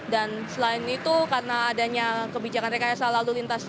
dan selain itu karena adanya kebijakan rekayasa lalu lintas